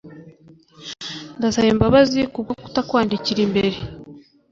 Ndasaba imbabazi kubwo kutakwandikira mbere